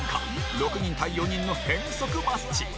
６人対４人の変則マッチ